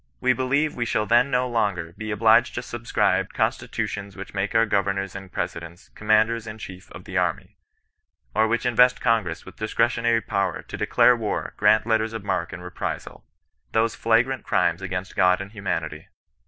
We be lieve we shall then no longer be obliged to subscribe Constitutions which make our governors and presidents ^^commanders in chief of the armyy^ or which invest Congress with discretionary power "to declare war, grant letters of marque and reprisal" — those flh.grant crimes against God and humanity.